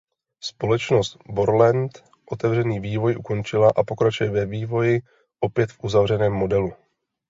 Společnost Borland otevřený vývoj ukončila a pokračuje ve vývoji opět v uzavřeném modelu.